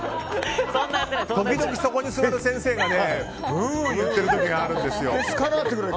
時々そこに座る先生がうんうん言ってる時があるんです。